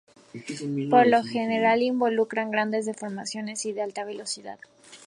Por lo general, involucran grandes deformaciones y de alta velocidad.